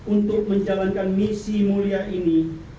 untuk menjalankan misi mulia ini